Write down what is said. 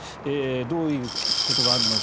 どういうことがあるのか。